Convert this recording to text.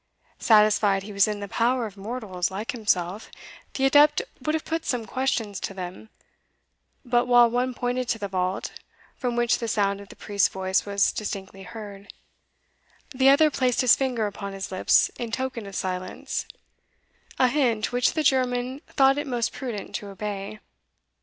Satisfied he was in the power of mortals like himself, the adept would have put some questions to them; but while one pointed to the vault, from which the sound of the priest's voice was distinctly heard, the other placed his finger upon his lips in token of silence, a hint which the German thought it most prudent to obey.